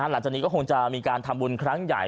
หลังจากนี้ก็คงจะมีการทำบุญครั้งใหญ่